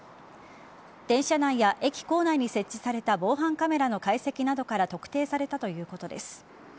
電車内や駅構内に設置された防犯カメラの解析などから特定されたということです。